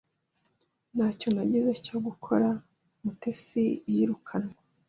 Ntacyo nagize cyo gukora Mutesi yirukanwa.